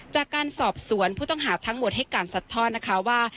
จากการสอบสวนผู้ต้องหาทั้งหมดให้การสัดทอดนะคะว่า